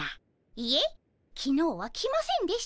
いえきのうは来ませんでした。